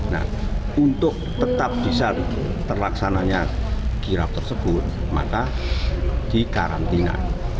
nah untuk tetap bisa terlaksananya kirap tersebut maka dikarantina